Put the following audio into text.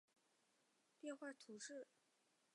鲁勒河畔维雷人口变化图示